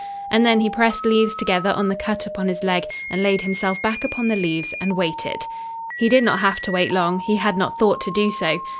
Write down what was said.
And then he pressed leaves together on the cut upon his leg, and laid himself back upon the leaves and waited. He did not have to wait long. He had not thought to do so.